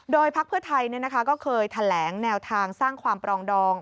โดยพักเพื่อไทยก็เคยแถลงแนวทางสร้างความปรองดอง